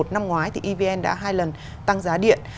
năm ngoái thì evn đã hai lần tăng giá điện